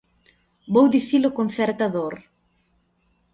Vou dicilo con certa dor.